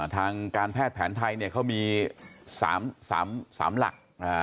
ทางการแพทย์แผนไทยเขามี๓หลัก